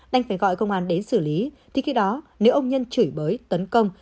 đành phải gọi công an đến xử lý thì khi đó nếu ông nhân chửi bới tấn công